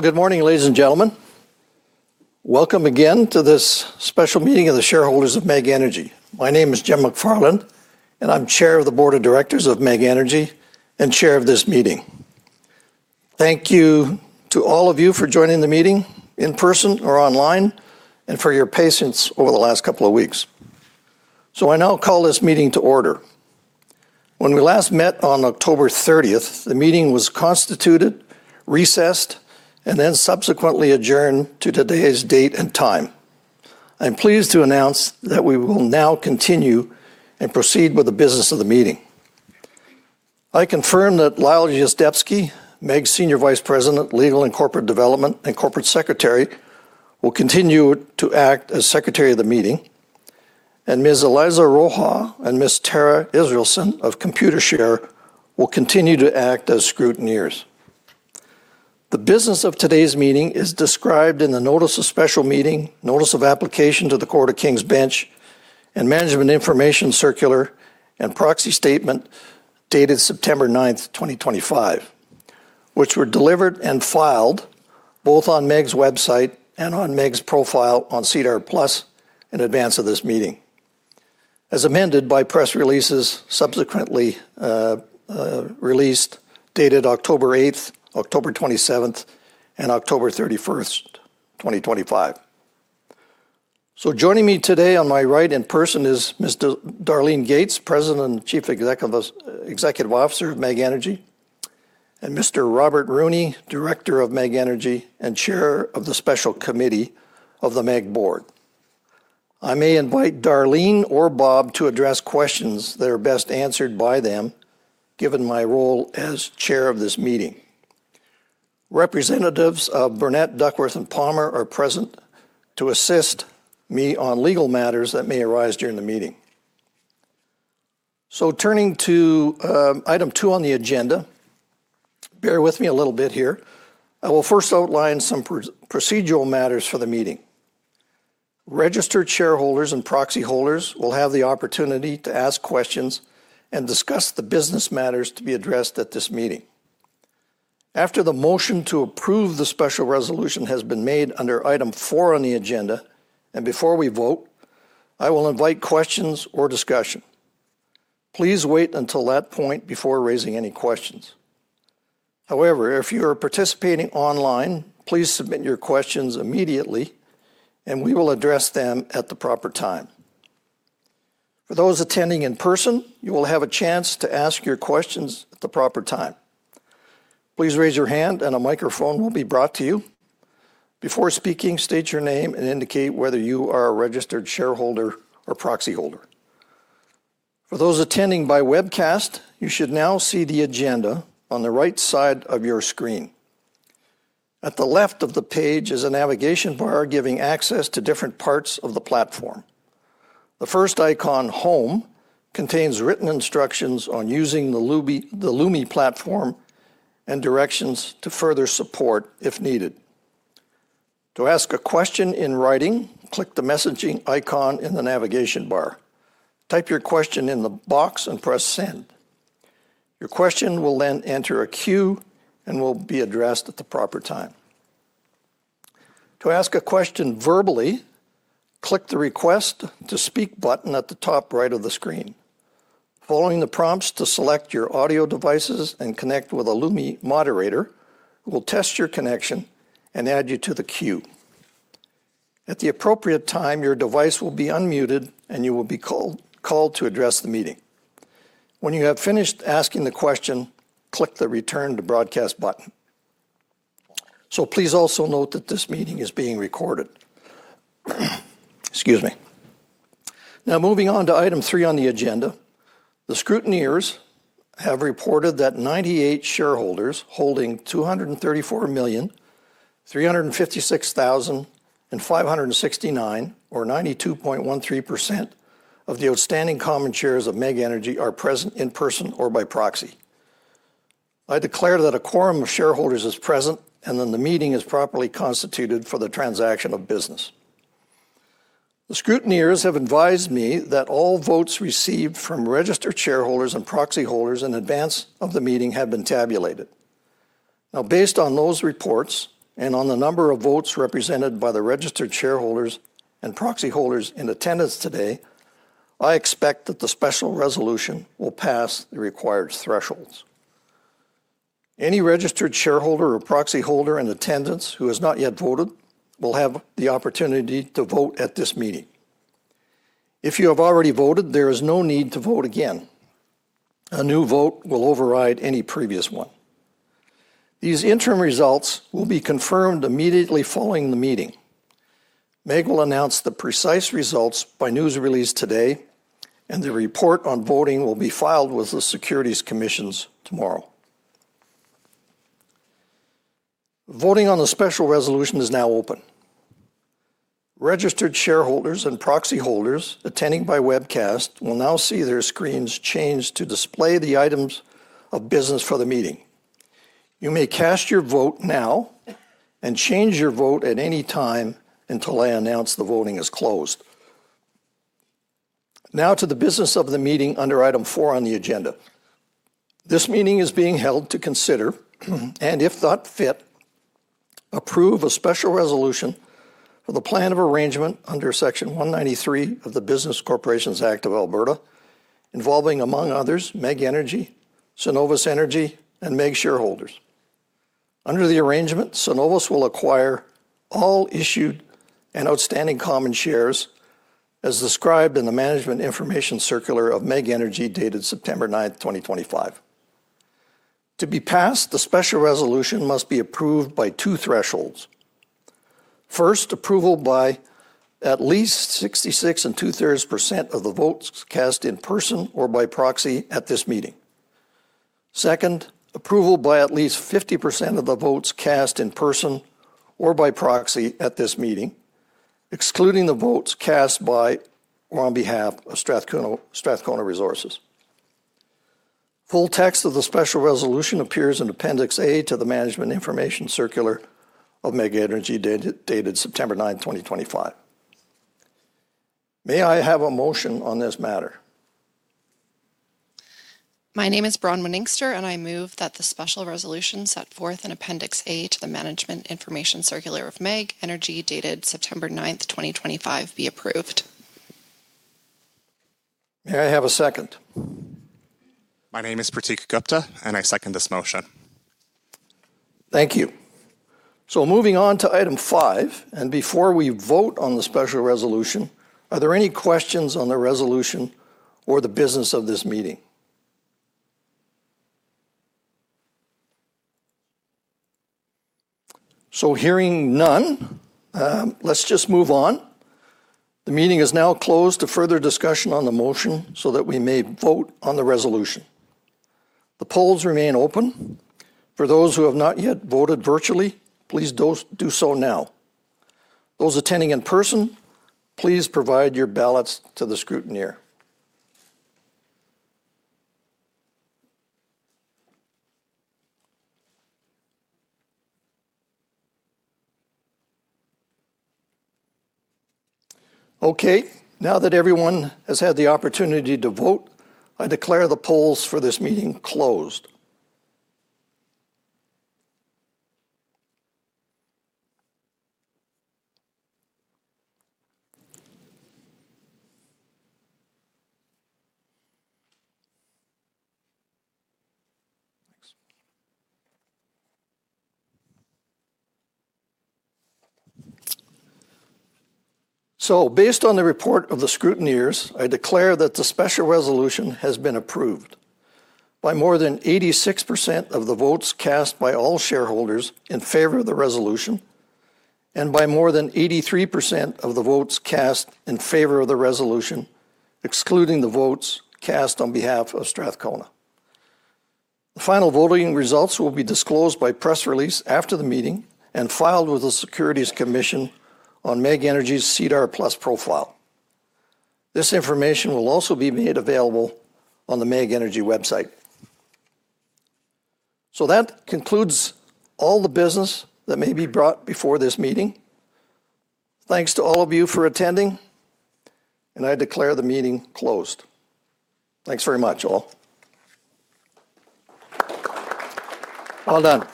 Good morning, ladies and gentlemen. Welcome again to this special meeting of the shareholders of MEG Energy. My name is Jim McFarland, and I'm chair of the board of directors of MEG Energy and chair of this meeting. Thank you to all of you for joining the meeting in person or online, and for your patience over the last couple of weeks. I now call this meeting to order. When we last met on October 30th, the meeting was constituted, recessed, and then subsequently adjourned to today's date and time. I'm pleased to announce that we will now continue and proceed with the business of the meeting. I confirm that Lyle Yuzdepski, MEG's Senior Vice President, Legal and Corporate Development, and Corporate Secretary, will continue to act as secretary of the meeting. Ms. Eliza Roha and Ms. Tara Israelson of Computershare will continue to act as scrutineers. The business of today's meeting is described in the Notice of Special Meeting, Notice of Application to the Court of King's Bench, and Management Information Circular and Proxy Statement dated September 9, 2025. Which were delivered and filed both on MEG's website and on MEG's profile on SEDAR+ in advance of this meeting. As amended by press releases subsequently. Releases dated October 8, October 27, and October 31, 2025. Joining me today on my right in person is Ms. Darlene Gates, President and CEO of MEG Energy, and Mr. Robert Rooney, Director of MEG Energy and Chair of the Special Committee of the MEG board. I may invite Darlene or Bob to address questions that are best answered by them, given my role as Chair of this meeting. Representatives of Burnet, Duckworth & Palmer are present to assist me on legal matters that may arise during the meeting. Turning to item two on the agenda. Bear with me a little bit here. I will first outline some procedural matters for the meeting. Registered shareholders and proxy holders will have the opportunity to ask questions and discuss the business matters to be addressed at this meeting. After the motion to approve the special resolution has been made under item four on the agenda, and before we vote, I will invite questions or discussion. Please wait until that point before raising any questions. However, if you are participating online, please submit your questions immediately, and we will address them at the proper time. For those attending in person, you will have a chance to ask your questions at the proper time. Please raise your hand, and a microphone will be brought to you. Before speaking, state your name and indicate whether you are a registered shareholder or proxy holder. For those attending by webcast, you should now see the agenda on the right side of your screen. At the left of the page is a navigation bar giving access to different parts of the platform. The first icon, Home, contains written instructions on using the Lumi platform. Directions to further support are available if needed. To ask a question in writing, click the messaging icon in the navigation bar. Type your question in the box and press Send. Your question will then enter a queue and will be addressed at the proper time. To ask a question verbally, click the Request to Speak button at the top right of the screen. Following the prompts to select your audio devices and connect with a Lumi moderator, who will test your connection and add you to the queue. At the appropriate time, your device will be unmuted, and you will be called to address the meeting. When you have finished asking the question, click the Return to Broadcast button. Please also note that this meeting is being recorded. Excuse me. Now, moving on to item three on the agenda, the scrutineers have reported that 98 shareholders holding $234,356,569, or 92.13% of the outstanding common shares of MEG Energy are present in person or by proxy. I declare that a quorum of shareholders is present, and the meeting is properly constituted for the transaction of business. The scrutineers have advised me that all votes received from registered shareholders and proxy holders in advance of the meeting have been tabulated. Now, based on those reports and on the number of votes represented by the registered shareholders and proxy holders in attendance today, I expect that the special resolution will pass the required thresholds. Any registered shareholder or proxy holder in attendance who has not yet voted will have the opportunity to vote at this meeting. If you have already voted, there is no need to vote again. A new vote will override any previous one. These interim results will be confirmed immediately following the meeting. MEG will announce the precise results by news release today, and the report on voting will be filed with the Securities Commissions tomorrow. Voting on the special resolution is now open. Registered shareholders and proxy holders attending by webcast will now see their screens changed to display the items of business for the meeting. You may cast your vote now. can change your vote at any time until I announce the voting is closed. Now to the business of the meeting under item four on the agenda. This meeting is being held to consider, and if thought fit, approve a special resolution for the plan of arrangement under Section 193 of the Business Corporations Act of Alberta, involving, among others, MEG Energy, Synovus Energy, and MEG shareholders. Under the arrangement, Synovus will acquire all issued and outstanding common shares as described in the Management Information Circular of MEG Energy dated September 9, 2025. To be passed, the special resolution must be approved by two thresholds. First, approval by at least 66.23% of the votes cast in person or by proxy at this meeting. Second, approval by at least 50% of the votes cast in person or by proxy at this meeting, excluding the votes cast by or on behalf of Strathcona Resources. Full text of the special resolution appears in Appendix A to the Management Information Circular of MEG Energy dated September 9, 2025. May I have a motion on this matter? My name is Bronwyn Inkster, and I move that the special resolution set forth in Appendix A to the Management Information Circular of MEG Energy dated September 9, 2025, be approved. May I have a second? My name is Pratik Gupta, and I second this motion. Thank you. Moving on to item five, and before we vote on the special resolution, are there any questions on the resolution or the business of this meeting? Hearing none, let's just move on. The meeting is now closed to further discussion on the motion so that we may vote on the resolution. The polls remain open. For those who have not yet voted virtually, please do so now. Those attending in person, please provide your ballots to the scrutineer. Okay. Now that everyone has had the opportunity to vote, I declare the polls for this meeting closed. Based on the report of the scrutineers, I declare that the special resolution has been approved by more than 86% of the votes cast by all shareholders in favor of the resolution, and by more than 83% of the votes cast in favor of the resolution, excluding the votes cast on behalf of Strathcona. The final voting results will be disclosed by press release after the meeting and filed with the Securities Commission on MEG Energy's SEDAR+ profile. This information will also be made available on the MEG Energy website. That concludes all the business that may be brought before this meeting. Thanks to all of you for attending. I declare the meeting closed. Thanks very much, all. All done.